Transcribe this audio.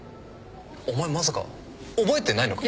お前まさか覚えてないのか？